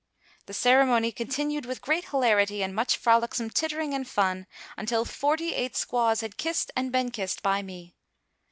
The ceremony continued with great hilarity and much frolicksome tittering and fun, until forty eight squaws had kissed and been kissed by me.